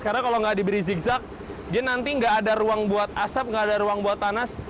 karena kalau nggak diberi zigzag dia nanti nggak ada ruang buat asap nggak ada ruang buat panas